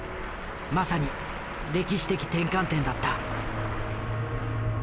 まさに歴史的転換点だった。